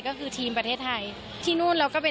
ก็คือทีมประเทศไทยที่นู่นเราก็เป็น